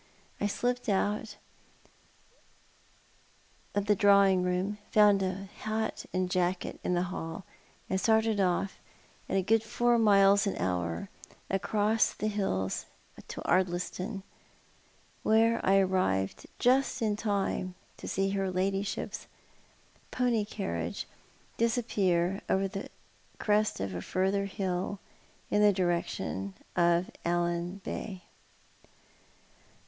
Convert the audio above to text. I slipped out of the drawing room, found hat and jacket in the hall, and started off at a good four miles an hour, across the hills to Ardliston, where I arrived just in time to see her ladyship's pony carriage The Carpews have a Boarder, 209 disappear over fhe crest of a further hill iu the direction of Allan Bay.